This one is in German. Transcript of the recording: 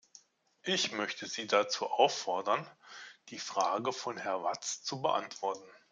Ich möchte Sie dazu auffordern, die Frage von Herrn Watts zu beantworten.